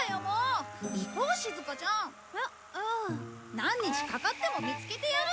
何日かかっても見つけてやる！